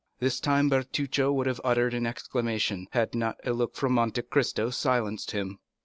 This time Bertuccio would have uttered an exclamation, had not a look from Monte Cristo silenced him.